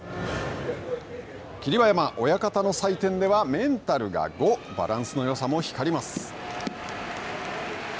霧馬山、親方の採点では、メンタルが５、バランスのよさも光ります。